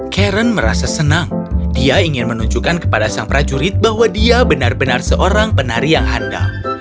karen merasa senang dia ingin menunjukkan kepada sang prajurit bahwa dia benar benar seorang penari yang handal